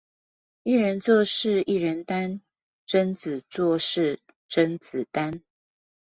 一人做事一人擔，貞子做事甄子丹